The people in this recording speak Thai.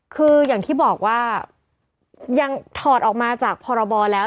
คืออย่างที่บอกว่ายังถอดออกมาจากพรบแล้ว